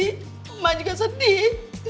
emak juga sedih